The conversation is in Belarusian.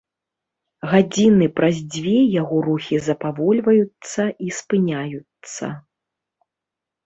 Гадзіны праз дзве яго рухі запавольваюцца і спыняюцца.